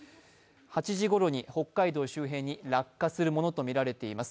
８時ごろに北海道周辺に落下するものとみられています。